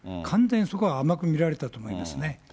完全にそこは甘く見られたと思いますね。